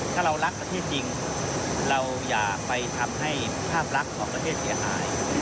ถ้าเรารักประเทศจริงเราอย่าไปทำให้ภาพลักษณ์ของประเทศเสียหาย